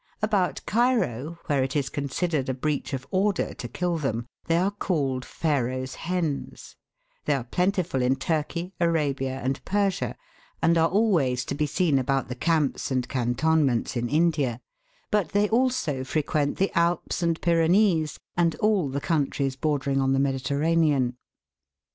About Cairo, where it is considered a breach of order to kill them, they are called "Pharaoh's Hens." They are plentiful in Turkey, Arabia, and Persia, and are always to be seen about the camps and cantonments in India ; but they also frequent the Alps and Pyrenees, and all the countries bordering on the Mediterranean.